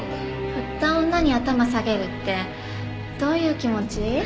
振った女に頭下げるってどういう気持ち？